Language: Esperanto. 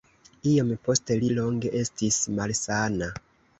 Iom poste li longe estis malsana.